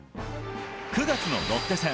９月のロッテ戦。